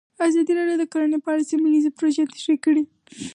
ازادي راډیو د کرهنه په اړه سیمه ییزې پروژې تشریح کړې.